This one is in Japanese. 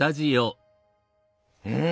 うん。